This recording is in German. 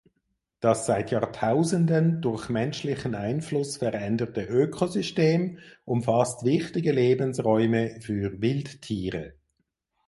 Das seit Jahrtausenden durch menschlichen Einfluss veränderte Ökosystem umfasst wichtige Lebensräume für Wildtiere.